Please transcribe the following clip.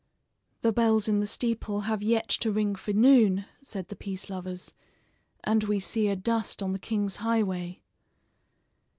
"The bells in the steeple have yet to ring for noon," said the peace lovers; "and we see a dust on the king's highway."